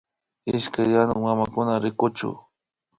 Ishkay yanuk mamakuna rikuchu